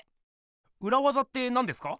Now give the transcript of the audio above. うらわざってなんですか？